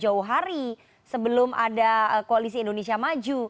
jauh hari sebelum ada koalisi indonesia maju